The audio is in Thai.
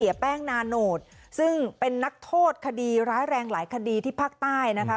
แป้งนาโนตซึ่งเป็นนักโทษคดีร้ายแรงหลายคดีที่ภาคใต้นะคะ